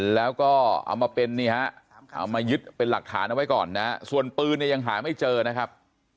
แล้วก็เอามาเป็นนี่ฮะเอามายึดเป็นหลักฐานเอาไว้ก่อนนะส่วนปืนเนี่ยยังหาไม่เจอนะครับ